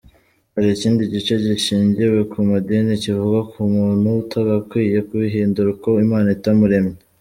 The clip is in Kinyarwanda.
Hari ikindi gice gishingiye ku madini kivuga ko umuntu atagakwiye kwihindura uko Imana itamuremye.